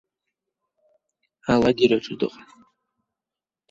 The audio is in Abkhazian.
Алагераҿы дыҟан!